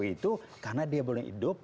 itu karena dia boleh hidup